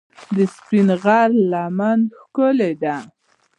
د سپین غر لمنې ښکلې دي